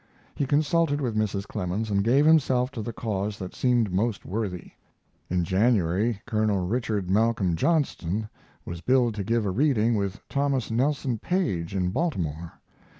He consulted with Mrs. Clemens and gave himself to the cause that seemed most worthy. In January Col. Richard Malcolm Johnston was billed to give a reading with Thomas Nelson Page in Baltimore.